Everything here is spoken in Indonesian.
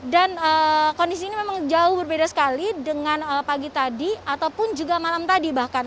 dan kondisi ini memang jauh berbeda sekali dengan pagi tadi ataupun juga malam tadi bahkan